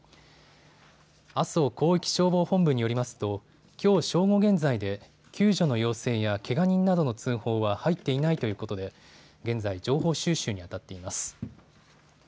阿蘇広域消防本部によりますときょう正午現在で救助の要請やけが人などの通報は入っていないということで現在、情報収集にあたっています。